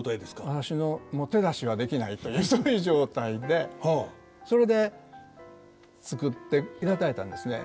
私のもう手出しできないというそういう状態でそれで作っていただいたんですね。